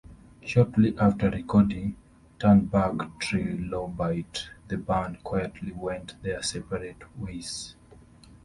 Shortly after recording "Turn Back Trilobite", the band quietly went their separate ways.